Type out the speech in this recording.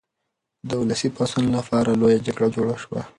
د ولسي پاڅون لپاره لویه جرګه جوړه شوه.